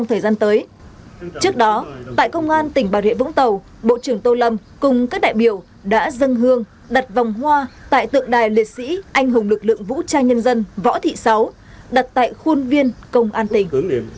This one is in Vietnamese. trước đó tại công an tỉnh bà rịa vũng tàu bộ trưởng tô lâm cùng các đại biểu đã dân hương đặt vòng hoa tại tượng đài liệt sĩ anh hùng lực lượng vũ trang nhân dân võ thị sáu đặt tại khuôn viên công an tỉnh